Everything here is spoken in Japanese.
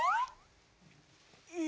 え！？